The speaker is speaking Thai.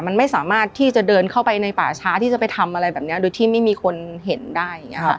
มันไม่สามารถที่จะเดินเข้าไปในป่าช้าที่จะไปทำอะไรแบบนี้โดยที่ไม่มีคนเห็นได้อย่างนี้ค่ะ